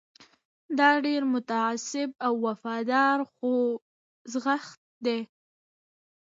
دا ډېر متعصب او وفادار خوځښت دی.